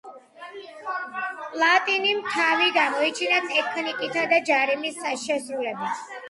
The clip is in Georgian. პლატინიმ თავი გამოიჩინა ტექნიკითა და ჯარიმის შესრულებით.